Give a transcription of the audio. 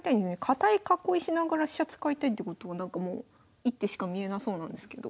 堅い囲いしながら飛車使いたいってことは一手しか見えなそうなんですけど。